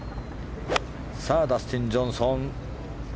さあ、ダスティン・ジョンソン。